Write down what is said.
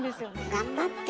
頑張って。